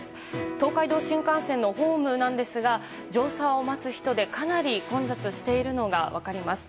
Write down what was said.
東海道新幹線のホームなんですが乗車を待つ人でかなり混雑しているのが分かります。